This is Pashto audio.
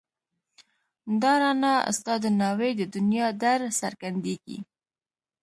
دا رڼا ستا د ناوې د دنيا درڅرګنديږي